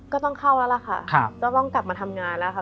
ก็ต้องเข้าแล้วล่ะค่ะก็ต้องกลับมาทำงานแล้วค่ะ